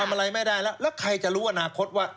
อะไรไม่ได้แล้วแล้วใครจะรู้อนาคตว่า